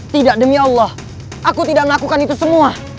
tidak demi allah aku tidak melakukan itu semua